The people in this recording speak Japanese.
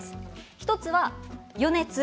１つは予熱。